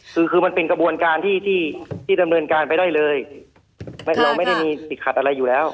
คือคือมันเป็นกระบวนการที่ที่ดำเนินการไปได้เลยเราไม่ได้มีติดขัดอะไรอยู่แล้ว